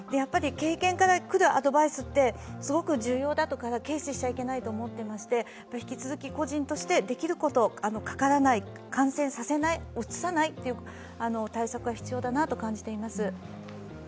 経験から来るアドバイスってすごく重要だと、軽視してはいけないと思っていまして引き続き、個人としてできること、かからない、感染させない、うつさない対策が必要だなと感じています。